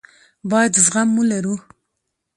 بايد زغم ولرو.